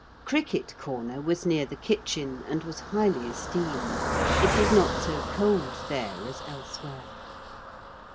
Cricket corner was near the kitchen and was highly esteemed. It was not so cold there as elsewhere.